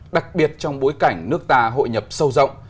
đặc biệt trong bối cảnh nước ta hội nhập sâu rộng